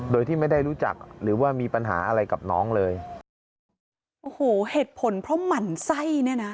โดยที่ไม่ได้รู้จักหรือว่ามีปัญหาอะไรกับน้องเลยโอ้โหเหตุผลเพราะหมั่นไส้เนี่ยนะ